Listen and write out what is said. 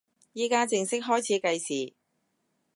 依家正式開始計時